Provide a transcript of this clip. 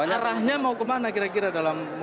menyerahnya mau kemana kira kira dalam